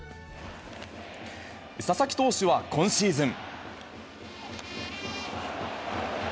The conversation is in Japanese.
佐々木投手は今シーズン。